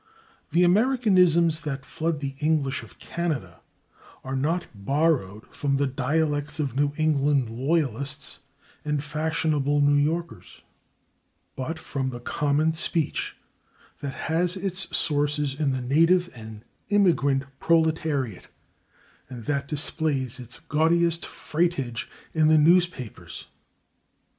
The Americanisms that flood the English of Canada are not borrowed from the dialects of New England Loyalists and fashionable New Yorkers, but from the common speech that has its sources in the native and immigrant proletariat and that displays its gaudiest freightage in the newspapers.